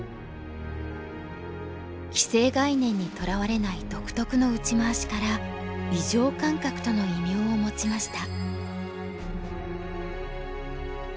既成概念にとらわれない独特の打ち回しから「異常感覚」との異名を持ちました。